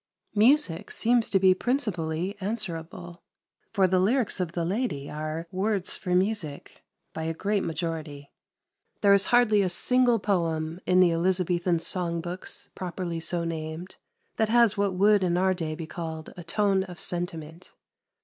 Music seems to be principally answerable. For the lyrics of the lady are "words for music" by a great majority. There is hardly a single poem in the Elizabethan Song books, properly so named, that has what would in our day be called a tone of sentiment.